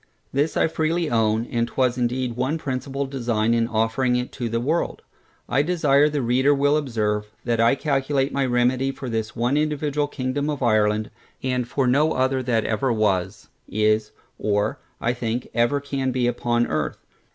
This I freely own, and was indeed one principal design in offering it to the world. I desire the reader will observe, that I calculate my remedy for this one individual Kingdom of Ireland, and for no other that ever was, is, or, I think, ever can be upon Earth.